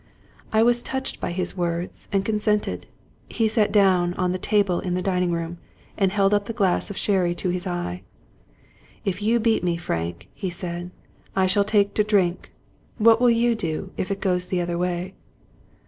I was touched by his words, and consented. He sat down on the table in the dining room, and held up the glass of sherry to his eye. "If you beat me, Frank," he said, " I shall take to drink. What will you do, if it goes the other way